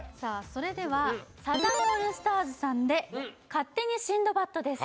それではサザンオールスターズさんで「勝手にシンドバッド」です